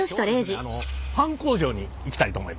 あのパン工場に行きたいと思います。